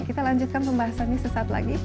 kita lanjutkan pembahasannya sesaat lagi